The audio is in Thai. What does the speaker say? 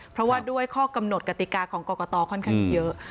เพราะว่าด้วยข้อกำหนดกติกาของกรกตค่อนข้างเยอะ